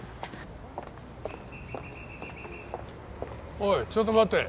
おいちょっと待て。